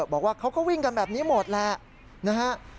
บอกว่าเขาก็วิ่งกันแบบนี้หมดแหละนะฮะ